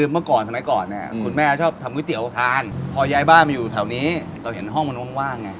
ตัดสินใจฝรั่งใน๒วัน